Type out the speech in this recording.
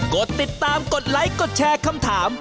กดติดตามกดไลค์กดแชร์คำถาม